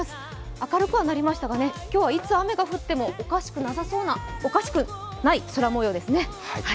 明るくはなりましたが、今日はいつ雨が降ってもおかしくない空もようですね。